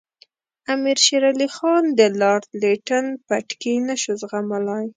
امیر شېر علي خان د لارډ لیټن پټکې نه شو زغملای.